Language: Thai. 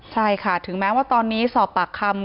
ใช่ค่ะถึงแม้ว่าตอนนี้สอบปากคำ